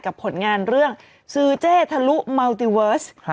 ผลงานเรื่องซื้อเจ๊ทะลุเมาติเวิร์ส